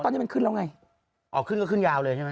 ตอนนี้มันขึ้นแล้วไงออกขึ้นก็ขึ้นยาวเลยใช่ไหม